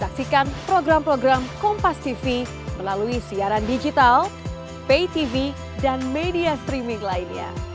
saksikan program program kompastv melalui siaran digital paytv dan media streaming lainnya